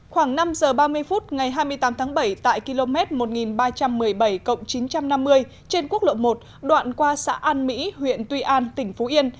khoảng năm giờ ba mươi phút ngày hai mươi tám tháng bảy tại km một nghìn ba trăm một mươi bảy chín trăm năm mươi trên quốc lộ một đoạn qua xã an mỹ huyện tuy an tỉnh phú yên